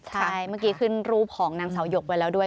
ใช่เมื่อกี้ขึ้นรูปของนางสาวหยกไว้แล้วด้วย